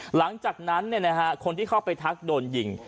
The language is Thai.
หลังจากนั้นเนี่ยนะฮะคนที่เข้าไปทักโดนหญิง